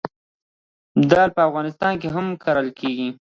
دال په افغانستان کې هم کرل کیږي.